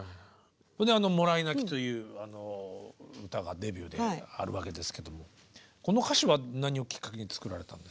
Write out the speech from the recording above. それであの「もらい泣き」という歌がデビューであるわけですけどこの歌詞は何をきっかけに作られたんですか？